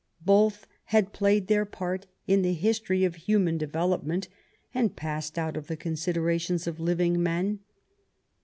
Both had played their part in the history of human developement and passed out of the considerations of living men.